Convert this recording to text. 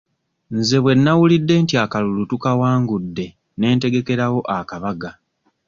Nze bwe nnawulidde nti akalulu tukawangudde n'entegekerawo akabaga.